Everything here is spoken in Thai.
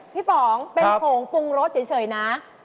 ป๋องเป็นผงปรุงรสเฉยนะ